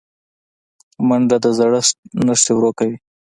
منډه د زړښت نښې ورو کوي